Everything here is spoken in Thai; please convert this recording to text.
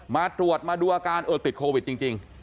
มาตรวจมาดูอาการเออติดโควิดจริง